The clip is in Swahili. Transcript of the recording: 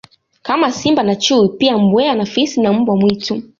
Kama simba na chui pia mbweha na fisi na mbwa mwitu